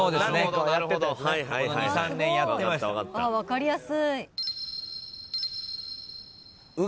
分かりやすい。